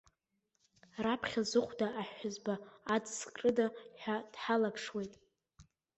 Раԥхьа зыхәда аҳәызба аҵаскрыда ҳәа дҳалаԥшуеит.